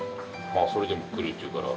まあそれでも来るって言うから。